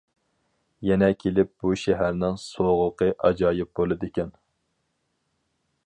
يەنە كېلىپ بۇ شەھەرنىڭ سوغۇقى ئاجايىپ بولىدىكەن.